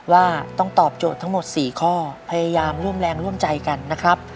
ว่าต้องตอบโจทย์ทั้งหมด๔ข้อพยายามร่วมแรงร่วมใจกันนะครับ